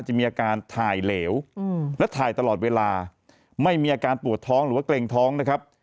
จะมีอาการถ่ายเหลวและถ่ายตลอดเวลาไม่มีอาการปวดท้องหรือว่าเกร็งท้องนะครับ